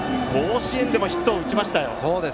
甲子園でもヒットを打ちましたよ。